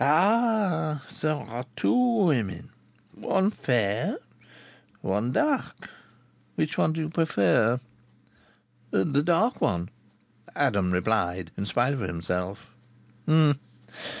"Ah! There are two women. One fair, one dark. Which one do you prefer?" "The dark one," Adam replied in spite of himself.